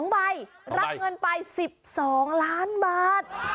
๒ใบรับเงินไป๑๒ล้านบาท